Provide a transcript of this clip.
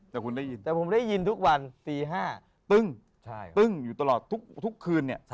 แต่คุณได้ยินแต่ผมได้ยินทุกวันตี๕ตึ้งตึ้งอยู่ตลอดทุกคืนเนี่ย